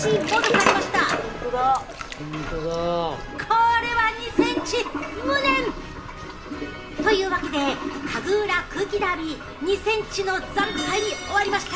これは２ｃｍ無念！というわけで家具裏空気ダービー２ｃｍの惨敗に終わりました。